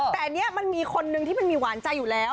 แต่อันนี้มันมีคนนึงที่มันมีหวานใจอยู่แล้ว